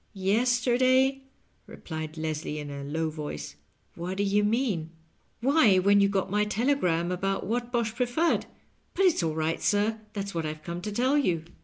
" Yesterday %" replied Leslie, in a low voice ;" what do you mean ?"" Why, when you got my telegram about Whatbosh Preferred. But it's all right, sir. That's what I've come to tell you.